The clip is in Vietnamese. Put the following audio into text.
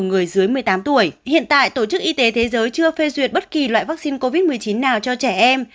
người dưới một mươi tám tuổi hiện tại tổ chức y tế thế giới chưa phê duyệt bất kỳ loại vaccine covid một mươi chín nào cho trẻ em